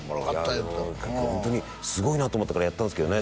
言うてたいやでもホントにすごいなと思ったからやったんですけどね